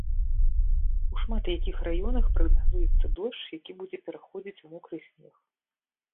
У шмат якіх раёнах прагназуецца дождж, які будзе пераходзіць у мокры снег.